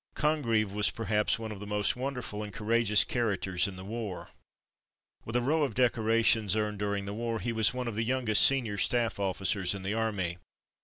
Congreve was perhaps one of the most wonderful and courageous characters in the war. With a row of decorations, earned during 126 From Mud to Mufti the war, he was one of the youngest senior staff officers in the army.